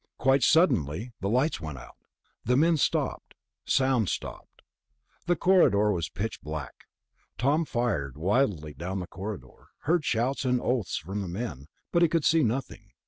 Quite suddenly, the lights went out. The men stopped. Sound stopped. The corridor was pitch black. Tom fired wildly down the corridor, heard shouts and oaths from the men, but he could see nothing.